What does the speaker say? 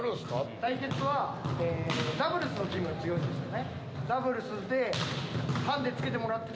対決はダブルスのチームが強いんですよね。